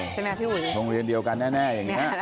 ใช่ไหมพี่อุ๋ยโรงเรียนเดียวกันแน่อย่างนี้